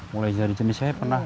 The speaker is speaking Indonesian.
mulai dari jenis saya pernah